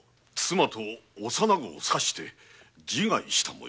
妻と幼子を刺して自害した模様。